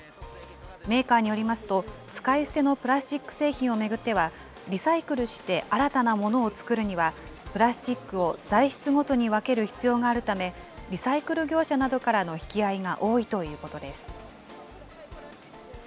メーカーによりますと、使い捨てのプラスチック製品を巡っては、リサイクルして新たなものを作るには、プラスチックを材質ごとに分ける必要があるため、リサイクル業者などからの引き合いが多いということです。